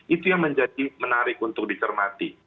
itu yang menjadi menarik untuk dicermati